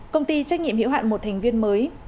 công ty trách nhiệm hiệu hạn một thành viên mới